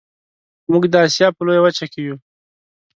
موږ د اسیا په لویه وچه کې یو